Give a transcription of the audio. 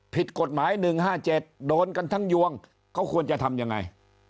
ผิดกฎหมาย๑๕๗โดนกันทั้งยวงเขาควรจะทำยังไง